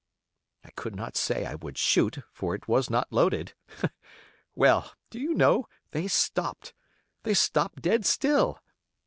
I could not say I would shoot, for it was not loaded. Well, do you know, they stopped! They stopped dead still.